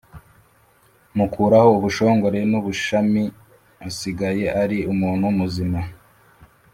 Mukuraho ubushongore n’ubushami asigaye ari umuntu muzima